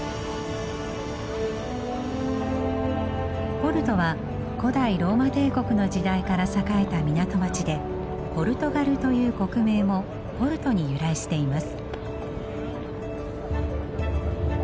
ポルトは古代ローマ帝国の時代から栄えた港町でポルトガルという国名もポルトに由来しています。